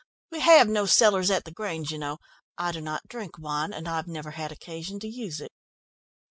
"We have no cellars at the Grange, you know. I do not drink wine, and I've never had occasion to use it."